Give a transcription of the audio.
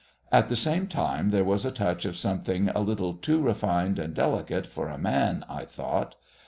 At the same time there was a touch of something a little too refined and delicate for a man, I thought.